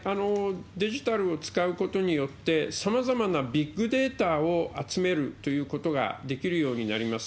デジタルを使うことによって、さまざまなビッグデータを集めるということができるようになります。